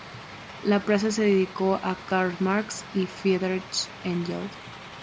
La plaza se dedicó a Karl Marx y Friedrich Engels.